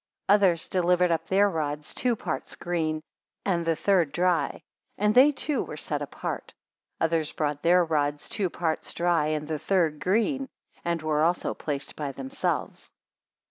8 Others delivered up their rods two parts green, and the third dry; and they too were set apart. Others brought their rods two parts dry, and the third green; and were also placed by themselves.